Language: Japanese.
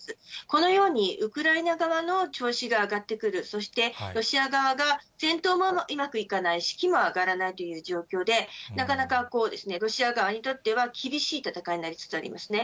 このようにウクライナ側の調子が上がってくる、そしてロシア側が戦闘もうまくいかない、士気も上がらないという状況で、なかなかロシア側にとっては厳しい戦いになりつつありますね。